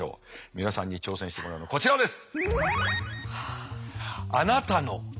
皆さんに挑戦してもらうのはこちらです。